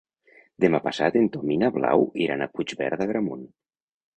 Demà passat en Tom i na Blau iran a Puigverd d'Agramunt.